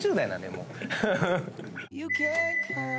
もう。